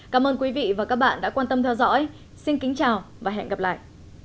cảm ơn quý vị và các bạn đã quan tâm theo dõi xin kính chào và hẹn gặp lại